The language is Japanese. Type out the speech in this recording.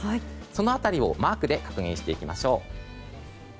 その辺りをマークで確認していきましょう。